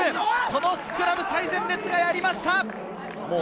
このスクラム最前列がやりました！